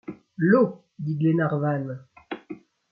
L’eau ! dit Glenarvan.